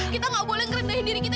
kita gak boleh ngerendahin diri kita